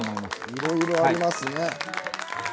いろいろありますね。